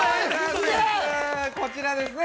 ◆こちらですね。